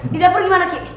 di dapur gimana ki